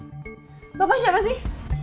gapapa siapa sih